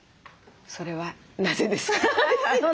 それはなぜですか？